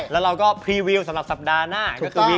แล้วก็๐๘๓๐สำหรับสัปดาห์หน้า